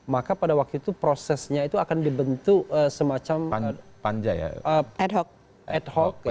maka pada waktu itu prosesnya itu akan dibentuk semacam ad hoc